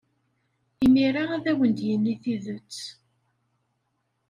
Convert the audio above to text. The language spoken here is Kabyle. Imir-a ad awen-d-yini tidet.